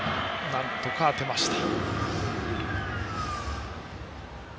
なんとか当てました。